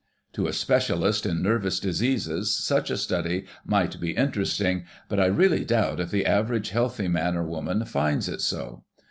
To a specialist in nervous diseases such a study might be interesting, but I really doubt if the average healthy man or woman finds it so.